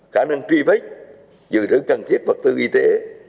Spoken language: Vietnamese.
khả năng truy vết giữ đỡ cần thiết vật tư y tế